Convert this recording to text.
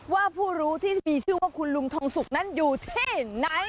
ว่าผู้รู้ที่มีชื่อว่าคุณลุงทองสุกนั้นอยู่ที่ไหน